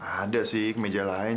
ada sih kemeja lain